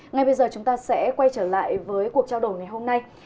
ngay bây giờ chúng ta sẽ quay trở lại với cuộc trao đổi ngày hôm nay